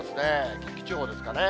近畿地方ですかね。